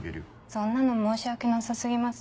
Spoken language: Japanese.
そんなの申し訳なさ過ぎます。